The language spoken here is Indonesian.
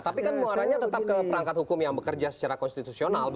tapi kan muaranya tetap ke perangkat hukum yang bekerja secara konstitusional